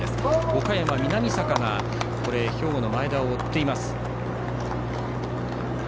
岡山、南坂が兵庫の前田を追っています。